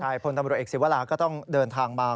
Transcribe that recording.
ใช่พลธรรมดาเอกสิทธิ์เวลาก็ต้องเดินทางมา